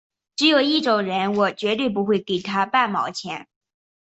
只有一种人我绝对不会给他半毛钱